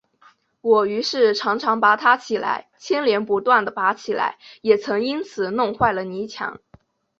我于是常常拔它起来，牵连不断地拔起来，也曾因此弄坏了泥墙